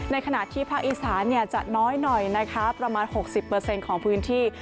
ขณะที่ภาคอีสานจะน้อยหน่อยนะคะประมาณ๖๐ของพื้นที่